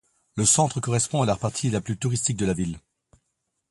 Le centre correspond à la partie la plus touristique de la ville.